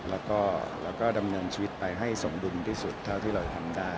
แล้วก็ดำเนินชีวิตไปให้สมดุลที่สุดเท่าที่เราทำได้